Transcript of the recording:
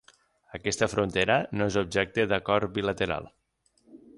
Aquesta frontera no és objecte d'acord bilateral.